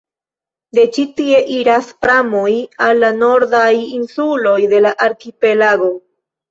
De ĉi tie iras pramoj al la nordaj insuloj de la arkipelago.